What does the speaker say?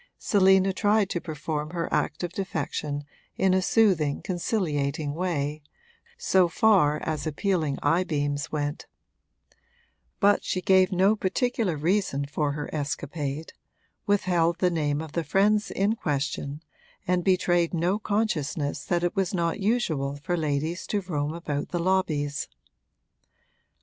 Selina tried to perform her act of defection in a soothing, conciliating way, so far as appealing eyebeams went; but she gave no particular reason for her escapade, withheld the name of the friends in question and betrayed no consciousness that it was not usual for ladies to roam about the lobbies.